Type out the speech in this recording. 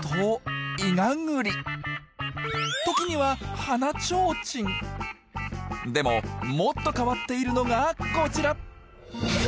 時にはでももっと変わっているのがこちら。